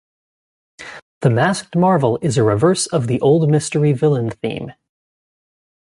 "The Masked Marvel" is a reverse of the "old mystery villain theme.